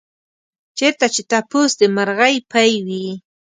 چېرته چې تپوس د مرغۍ پۍ وي.